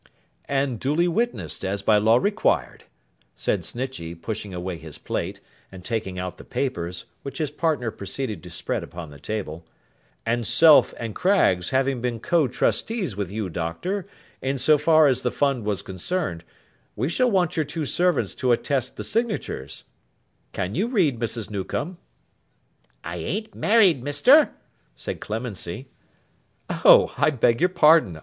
'And duly witnessed as by law required,' said Snitchey, pushing away his plate, and taking out the papers, which his partner proceeded to spread upon the table; 'and Self and Craggs having been co trustees with you, Doctor, in so far as the fund was concerned, we shall want your two servants to attest the signatures—can you read, Mrs. Newcome?' 'I an't married, Mister,' said Clemency. 'Oh! I beg your pardon.